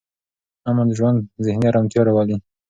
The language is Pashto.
امن ژوند ذهني ارامتیا راولي.